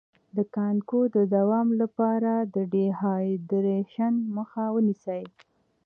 د کانګو د دوام لپاره د ډیهایډریشن مخه ونیسئ